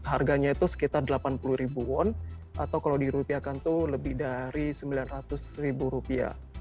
harganya itu sekitar delapan puluh ribu won atau kalau dirupiakan itu lebih dari sembilan ratus ribu rupiah